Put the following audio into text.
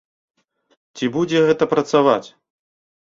Ці будзе гэта працаваць?